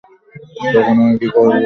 তখন আমি কী করব?